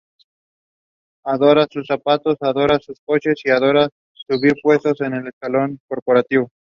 The interior columns and arches have all fallen and now lie in the nave.